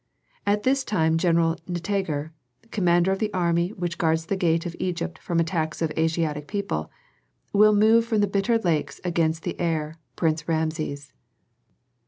At this time General Nitager, commander of the army which guards the gates of Egypt from attacks of Asiatic people, will move from the Bitter Lakes against the heir, Prince Rameses.